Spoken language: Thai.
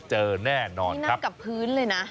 เจอน่านกับพื้นเลยนะ